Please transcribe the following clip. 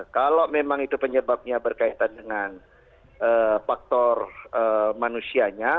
kalau memang itu penyebabnya berkaitan dengan faktor manusianya